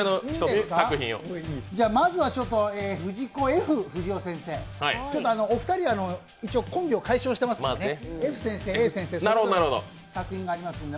まずは藤子・Ｆ・不二雄先生、お二人、一応コンビを解消していますのでＦ先生、Ａ先生の作品がありますので。